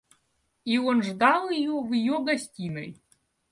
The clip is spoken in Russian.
И он ждал ее в ее гостиной.